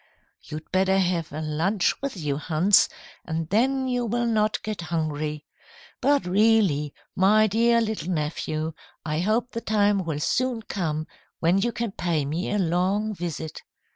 "You'd better have a lunch with you, Hans, and then you will not get hungry. But really, my dear little nephew, I hope the time will soon come when you can pay me a long visit.